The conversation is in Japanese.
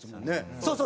そうそう。